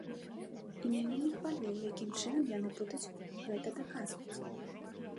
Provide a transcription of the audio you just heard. І мяне не хвалюе, якім чынам яны будуць гэта даказваць.